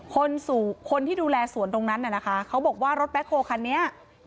คนที่ดูแลสวนตรงนั้นน่ะนะคะเขาบอกว่ารถแบ็คโฮลคันนี้